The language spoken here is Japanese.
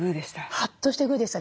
ハッとしてグーでしたね。